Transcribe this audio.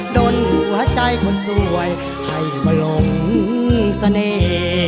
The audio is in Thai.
โดนหัวใจคนสวยให้มาหลงเสน่ห์